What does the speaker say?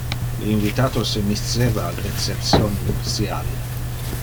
Le invitatos se misceva al reception nuptial.